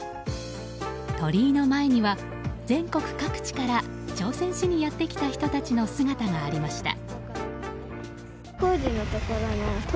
鳥居の前には全国各地から挑戦しにやってきた人たちの姿がありました。